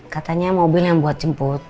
katanya mobil yang buat jemput